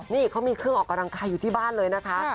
นี่เขามีเครื่องออกกำลังกายอยู่ที่บ้านเลยนะคะ